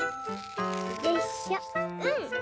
よいしょうん！